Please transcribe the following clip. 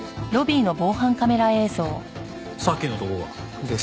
さっきの男か。です。